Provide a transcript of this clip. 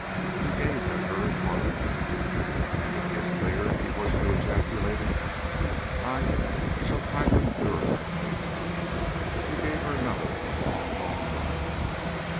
He gazed at her in horror. "And if he is cleared?" he hoarsely ejaculated. "I I shall try to endure my fate." He gave her another long, long look.